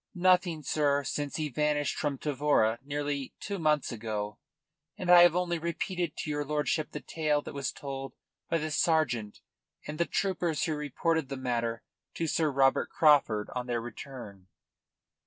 "Nothing, sir, since he vanished from Tavora, nearly, two months ago. And I have only repeated to your lordship the tale that was told by the sergeant and the troopers who reported the matter to Sir Robert Craufurd on their return."